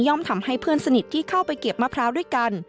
ทำให้เพื่อนสนิทที่เข้าไปเก็บมะพร้าวด้วยกัน